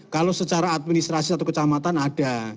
kalau secara administrasi satu kecamatan ada